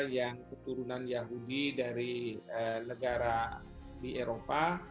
yang keturunan yahudi dari negara di eropa